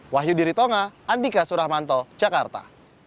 wahyu diritonga andika suramanto jakarta